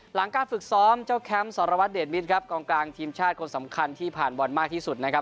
หลังการฝึกซ้อมเจ้าแคมป์สารวัตรเดชมิตรครับกองกลางทีมชาติคนสำคัญที่ผ่านบอลมากที่สุดนะครับ